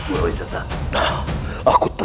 jatuhkan diri terhadap seseorang yang diragamu itu